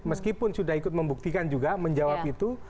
meskipun sudah ikut membuktikan juga menjawab itu